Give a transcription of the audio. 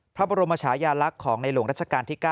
พระบรมชายาลักษณ์ของในหลวงรัชกาลที่๙